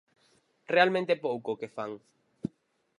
Realmente é pouco o que fan.